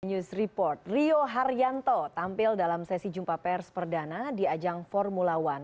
news report rio haryanto tampil dalam sesi jumpa pers perdana di ajang formula one